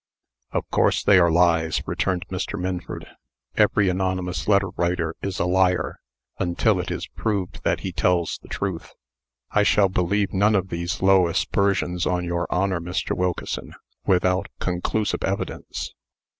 "Of course they are lies," returned Mr. Minford. "Every anonymous letter writer is a liar until it is proved that he tells the truth. I shall believe none of these low aspersions on your honor, Mr. Wilkeson, without conclusive evidence."